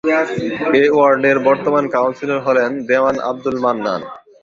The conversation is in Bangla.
এ ওয়ার্ডের বর্তমান কাউন্সিলর হলেন দেওয়ান আবদুল মান্নান।